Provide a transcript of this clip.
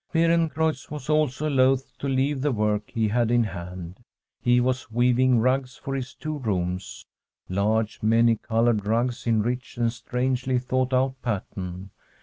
Beerencreutz was also loath to leave the work he had in hand. He was weaving rugs for his two rooms — large, many coloured rugs in a rich and strangely thought out pattern.